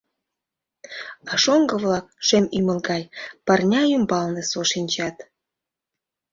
А шоҥго-влак шем ӱмыл гай Пырня ӱмбалне со шинчат.